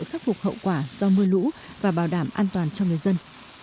khắc phục hậu quả do mưa lũ và bảo đảm an toàn cho người dân